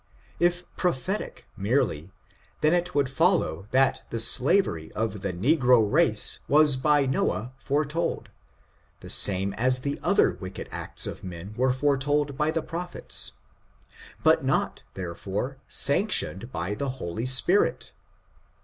If prophetic merely, then it would follow that the slavery of the negro race was by Noah foretold, the same as other wicked acts of men were foretold by the prophets, but not, therefore, sanctioned by the Holy Spirit.